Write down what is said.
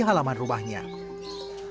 sebelumnya penjualan ini dikirakan oleh penjualan